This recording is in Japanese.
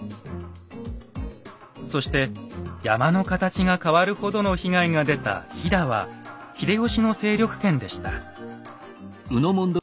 そして山の形が変わるほどの被害が出た飛騨は秀吉の勢力圏でした。